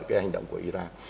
cái hành động của iran